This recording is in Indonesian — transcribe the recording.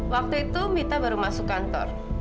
waktu itu mita baru masuk kantor